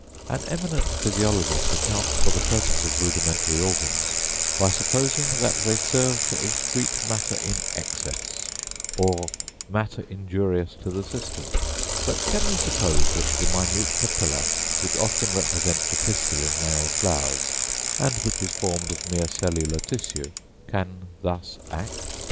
An eminent physiologist accounts for the presence of rudimentary organs, by supposing that they serve to excrete matter in excess, or matter injurious to the system; but can we suppose that the minute papilla, which often represents the pistil in male flowers, and which is formed of mere cellular tissue, can thus act?